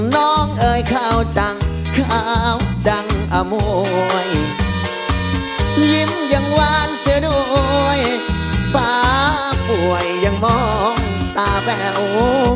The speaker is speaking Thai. น้องเอ๋ยเขาจังเขาดังอโมยลิ้มยังวานเสือหน่วยป่าป่วยยังมองตาแบว